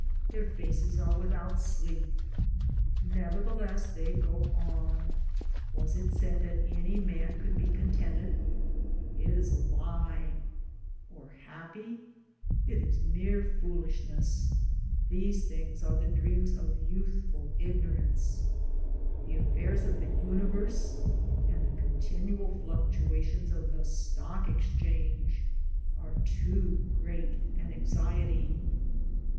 Their faces are without sleep. Nevertheless they go on. Was it said that any man could be contented ? It is a lie ;— or happy ? It is mere foolishness. These things are the dreams of youthful ignorance. The affairs of the universe and the continual fluctua tions of the Stock Exchange are too great an anxiety.